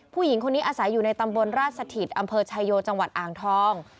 ผู้หญิงคนนี้อาศัยอยู่ในตำบลราชสถิตอำเภอชายโยจังหวัดอ่างทอง